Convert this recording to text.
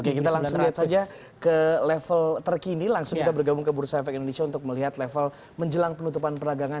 oke kita langsung lihat saja ke level terkini langsung kita bergabung ke bursa efek indonesia untuk melihat level menjelang penutupan peragangan